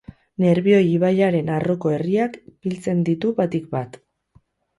Nerbioi ibaiaren arroko herriak biltzen ditu batik bat.